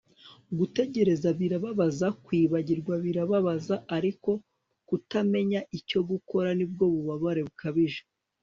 gutegereza birababaza kwibagirwa birababaza ariko kutamenya icyo gukora ni bwo bubabare bukabije